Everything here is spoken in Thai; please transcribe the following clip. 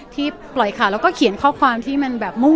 ที่ปล่อยข่าวแล้วก็เขียนข้อความที่มันแบบมุ่ง